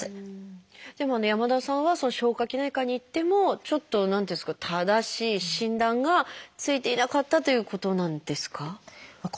でもね山田さんは消化器内科に行ってもちょっと何ていうんですか正しい診断がついていなかったということなんですか？